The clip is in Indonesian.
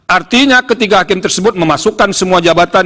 artinya ketiga hakim tersebut memasukkan semua jabatan